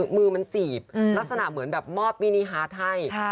มือมันจีบลักษณะเหมือนแบบมอบมินิฮาร์ดให้